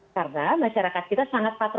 karena masyarakat kita sangat beruntung